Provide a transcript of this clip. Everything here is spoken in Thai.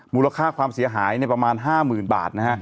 มูลค่าความเสียหายประมาณ๕๐๐๐บาทนะฮะ